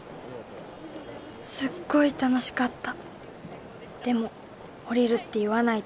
すっごい楽しかった。